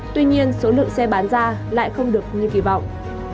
tuy nhiên số lượng xe bán ra lại không được như kỳ vọng